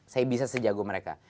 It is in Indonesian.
saya bisa sejago mereka